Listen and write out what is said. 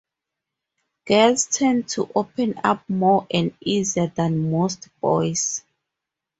Girls tend to open up more and easier than most boys.